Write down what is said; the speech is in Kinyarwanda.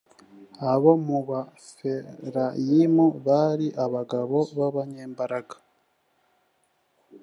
abo mu befurayimu bari abagabo b’abanyambaraga